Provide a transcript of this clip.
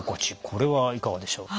これはいかがでしょう？